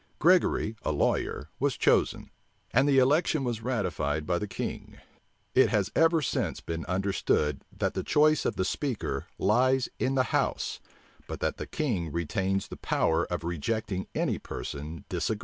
Gregory, a lawyer, was chosen; and the election was ratified by the king. It has ever since been understood, that the choice of the speaker lies in the house; but that the king retains the power of rejecting any person disagreeable to him.